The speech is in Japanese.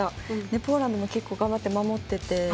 ポーランドも結構頑張って守っていて。